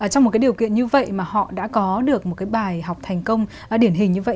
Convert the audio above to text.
trong một cái điều kiện như vậy mà họ đã có được một cái bài học thành công điển hình như vậy